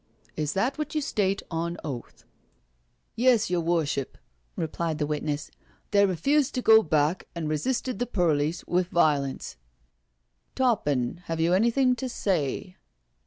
Is that what you state on oath?" '• Yes, your Worship," replied the witness. " They refused to go back and resisted the perlice with violence." " Toppin, have you anything to say?"